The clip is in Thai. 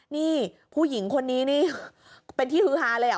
นี่ผู้หญิงคนนี้นี่เป็นที่ฮือฮาเลยอ่ะ